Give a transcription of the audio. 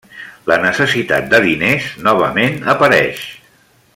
La necessitat de diners novament apareix.